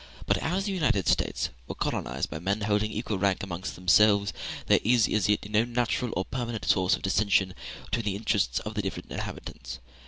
But as the United States were colonized by men holding equal rank amongst themselves, there is as yet no natural or permanent source of dissension between the interests of its different inhabitants.